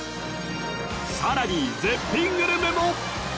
さらに絶品グルメも！